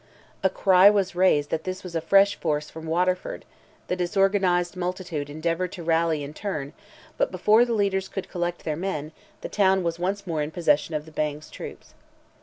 A cry was raised that this was a fresh force from Waterford; the disorganised multitude endeavoured to rally in turn, but before the leaders could collect their men, the town was once more in possession of the Bang's troops.